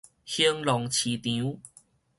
興隆市場